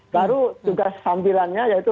baru tugas sambilannya yaitu